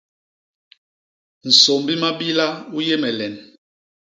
Nsômbi mabila u yé me len.